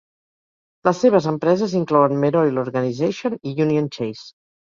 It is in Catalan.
Les seves empreses inclouen Meroil Organization i Union Chase.